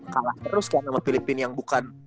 kalah terus kan sama filipin yang bukan